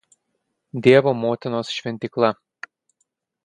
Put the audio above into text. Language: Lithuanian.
Dievo Motinos" šventykla.